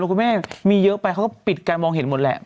คุณแม่มีเยอะไปเขาก็ปิดการมองเห็นหมดแหละ